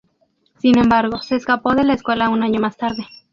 Sin embargo, se escapó de la escuela un año más tarde.